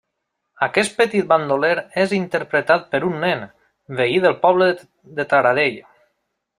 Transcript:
Aquest petit bandoler és interpretat per un nen, veí del poble de Taradell.